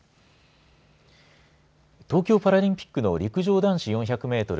東京パラリンピックの陸上男子４００メートル